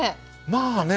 まあね